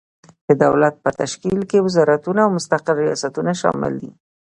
د دولت په تشکیل کې وزارتونه او مستقل ریاستونه شامل دي.